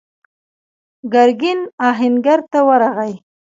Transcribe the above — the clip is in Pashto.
ګرګين آهنګر ته ورغی.